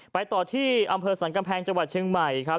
ไปต่อที่อำเภอสรรกำแพงจังหวัดเชียงใหม่ครับ